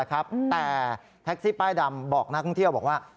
แต่แท็กซี่ป้ายดำบอกนักท่องเที่ยวบอกว่า